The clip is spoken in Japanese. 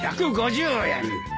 １５０円。